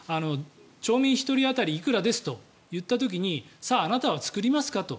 町民１人当たりいくらですといった時にさあ、あなたは作りますかと。